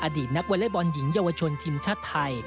อดีตนักวอเล็กบอลหญิงเยาวชนทีมชาติไทย